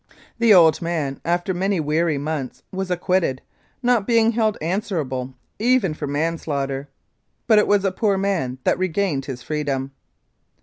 The old man, after many weary months, was acquitted, not being held answerable even for manslaughter, but it was a poor man that regained his freedom.